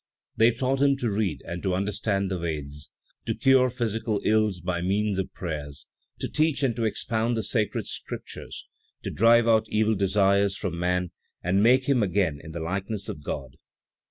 They taught him to read and to understand the Vedas, to cure physical ills by means of prayers, to teach and to expound the sacred Scriptures, to drive out evil desires from man and make him again in the likeness of God.